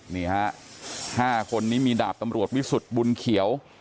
นี่ฮะ๕คนนี้มีดาบตำรวจวิสุทธิ์บุญเขียว